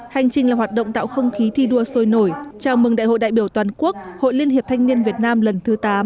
hành trình là hoạt động tạo không khí thi đua sôi nổi chào mừng đại hội đại biểu toàn quốc hội liên hiệp thanh niên việt nam lần thứ tám